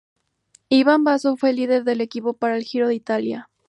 Ivan Basso fue el líder del equipo para el Giro de Italia.